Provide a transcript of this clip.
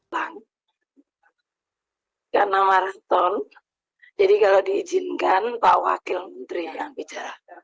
bang karena maraton jadi kalau diizinkan pak wakil menteri yang bicara